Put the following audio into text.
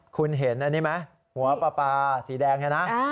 คุณเห็นอันนี้ไหมหัวปลาสีแดงเนี่ยนะ